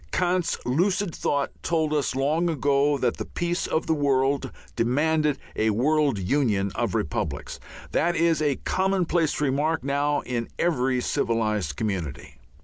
Kant's lucid thought told us long ago that the peace of the world demanded a world union of republics. That is a commonplace remark now in every civilized community.